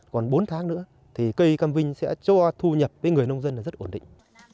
còn bốn tháng nữa thì cây cam vinh sẽ cho thu nhập với người nông dân là rất ổn định